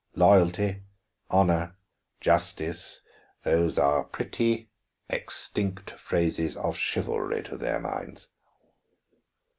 Loyalty, honor, justice, those are pretty, extinct phrases of chivalry to their minds."